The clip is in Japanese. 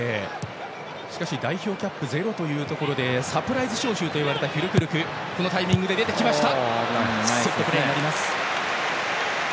しかし代表キャップゼロでサプライズ招集といわれたフュルクルクをこのタイミングで入れてきました。